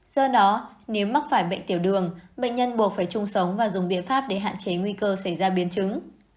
do đó nếu mắc phải bệnh tiểu đường bệnh nhân buộc phải chung sống và dùng biện pháp để hạn chế nguy cơ xảy ra biến chứng